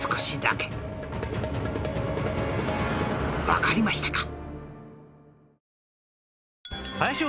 わかりましたか？